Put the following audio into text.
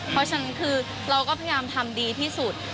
เพราะฉะนั้นคือเราก็พยายามทำดีที่สุด